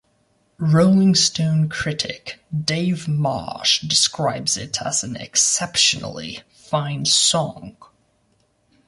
"Rolling Stone" critic Dave Marsh describes it as an "exceptionally fine song.